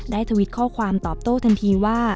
ทวิตข้อความตอบโต้ทันทีว่า